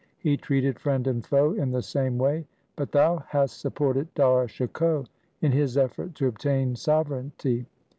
He treated friend and foe in the same way, but thou hast supported Dara Shikoh in his effort to obtain sovereignty.